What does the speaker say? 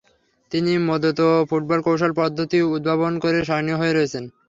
তিনি Metodo football কৌশল পদ্ধতি উদ্ভাবন করে স্মরণীয় হয়ে রয়েছেন।